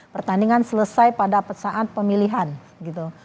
pertandingan selesai pada saat pemilihan gitu